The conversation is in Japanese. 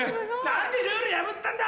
何でルール破ったんだ？